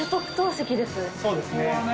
そうですね。